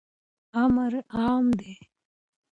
امر عام دی.